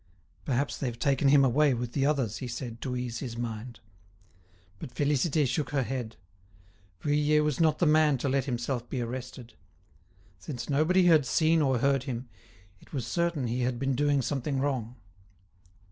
"Perhaps they've taken him away with the others," he said, to ease his mind. But Félicité shook her head. Vuillet was not the man to let himself be arrested. Since nobody had seen or heard him, it was certain he had been doing something wrong.